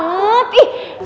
kesel baaangg efect